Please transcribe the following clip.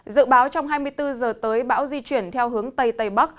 dự báo trong hai mươi bốn giờ tới bão di chuyển theo hướng tây tây bắc